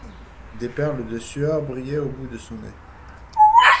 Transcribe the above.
Des perles de sueur brillaient au bout de son nez.